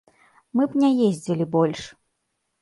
Мы б не ездзілі больш.